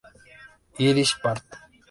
Irish Part.